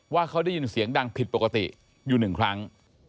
ว่าเขาได้ยินเสียงดังผิดปกติอยู่หนึ่งครั้ง